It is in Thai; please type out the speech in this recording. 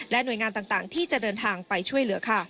หน่วยงานต่างที่จะเดินทางไปช่วยเหลือค่ะ